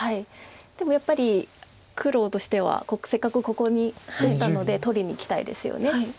でもやっぱり黒としてはせっかくここに打ったので取りにいきたいですよね。